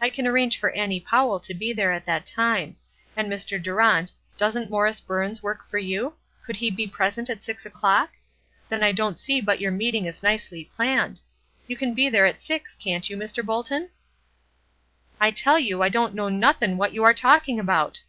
I can arrange for Annie Powell to be there at that time; and, Mr. Durant, doesn't Morris Burns work for you? Could he be present at six o'clock? Then I don't see but your meeting is nicely planned. You can be there at six, can't you, Mr. Bolton?" "I tell you I don't know nothin' what you are talking about."